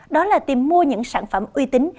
đó là tìm mua những sản phẩm uy tín